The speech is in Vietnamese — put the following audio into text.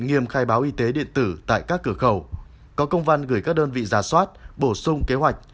nghiêm khai báo y tế điện tử tại các cửa khẩu có công văn gửi các đơn vị giả soát bổ sung kế hoạch